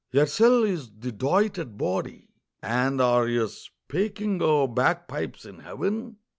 Yersel' is the doited body. "And are ye speaking o' bagpipes in Heaven?